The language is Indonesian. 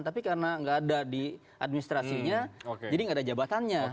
tapi karena nggak ada di administrasinya jadi nggak ada jabatannya